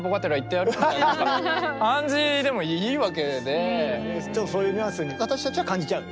もはやちょっとそういうニュアンスに私たちは感じちゃうよね。